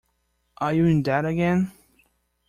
Are you in debt again?